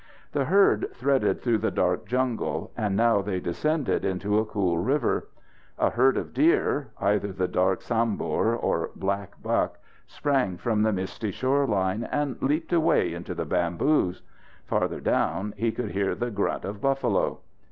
The herd threaded through the dark jungle, and now they descended into a cool river. A herd of deer either the dark sambur or black buck sprang from the misty shore line and leaped away into the bamboos. Farther down, he could hear the grunt of buffalo.